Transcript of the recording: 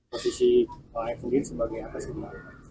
posisi pengen sendiri sebagai apa sih